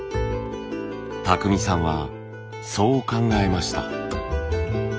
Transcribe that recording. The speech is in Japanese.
巧さんはそう考えました。